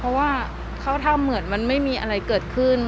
เพราะว่าเขาทำเหมือนมันไม่มีอะไรเกิดขึ้น